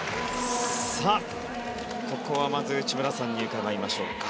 ここはまず内村さんに伺いましょうか。